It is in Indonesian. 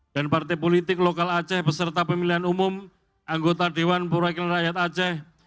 partai politik lokal aceh beserta pemilihan umum anggota dewan perwakilan rakyat aceh